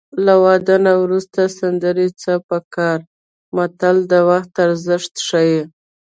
له واده نه وروسته سندرې څه په کار متل د وخت ارزښت ښيي